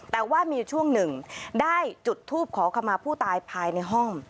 แต่ว่ามีช่วงหนึ่งได้จุดทูปขอขมาผู้ตายภายในห้อง